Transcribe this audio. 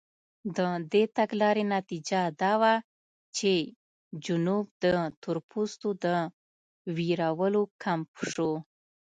د دې تګلارې نتیجه دا وه چې جنوب د تورپوستو د وېرولو کمپ شو.